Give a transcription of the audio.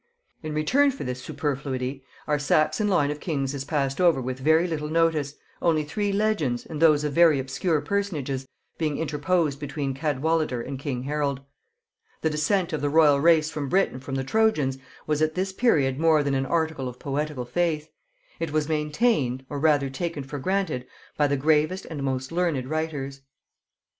In return for this superfluity, our Saxon line of kings is passed over with very little notice, only three legends, and those of very obscure personages, being interposed between Cadwallader and king Harold. The descent of the royal race of Britain from the Trojans was at this period more than an article of poetical faith; it was maintained, or rather taken for granted, by the gravest and most learned writers.